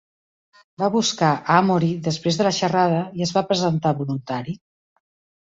Va buscar a Amory després de la xerrada i es va presentar voluntari.